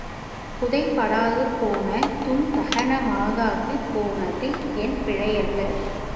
புதைபடாது போன துந் தகன மாகாது போனதும் என் பிழையல்ல.